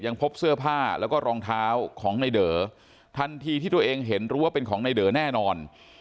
พบเสื้อผ้าแล้วก็รองเท้าของในเด๋อทันทีที่ตัวเองเห็นรู้ว่าเป็นของในเดอแน่นอน